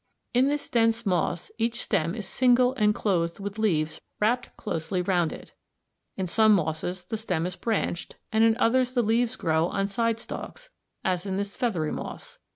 In this dense moss each stem is single and clothed with leaves wrapped closely round it (see Fig. 33); in some mosses the stem is branched, and in others the leaves grow on side stalks, as in this feathery moss (Fig.